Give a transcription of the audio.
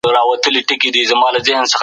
ثابت حق باید د شتمنو لخوا ورکړل سي.